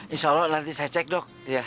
insya allah nanti saya cek dok